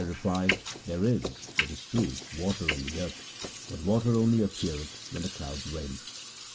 reply — There is, it is true, water in the earth, but water only appeareth when the clouds rain.